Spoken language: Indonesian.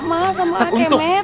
mas sama akemet